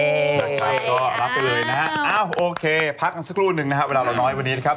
เปิดใจก็รับไปเลยนะฮะโอเคพักกันสักครู่นึงนะครับเวลาเราน้อยวันนี้นะครับ